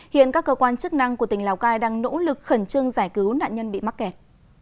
hiện các cơ quan chức năng của tỉnh lào cai đang nỗ lực khẩn trương giải cứu nạn nhân bị mắc kẹt